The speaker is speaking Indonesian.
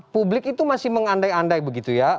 publik itu masih mengandai andai begitu ya